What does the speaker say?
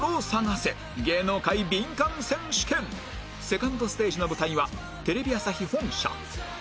セカンドステージの舞台はテレビ朝日本社